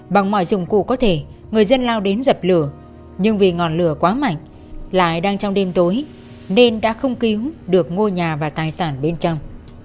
bằng mọi dụng cụ có thể người dân lao đến dập lửa nhưng vì ngọn lửa quá mạnh lại đang trong đêm tối nên đã không cứu được ngôi nhà và tài sản bên trong